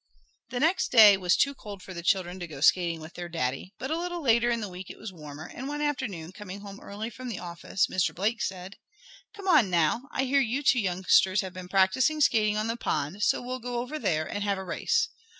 The next day was too cold for the children to go skating with their Daddy, but a little later in the week it was warmer, and one afternoon, coming home early from the office Mr. Blake said: "Come on now. I hear you two youngsters have been practicing skating on the pond, so we'll go over there and have a race."